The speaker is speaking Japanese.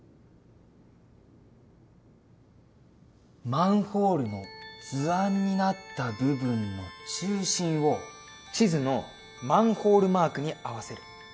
マンホールの図案になった部分の中心を地図のマンホールマークに合わせる。